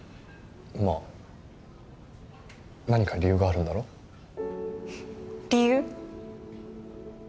まあ何か理由があるんだろ？理由？